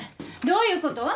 どういうこと？